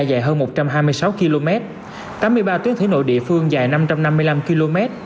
dài hơn một trăm hai mươi sáu km tám mươi ba tuyến thủy nội địa phương dài năm trăm linh km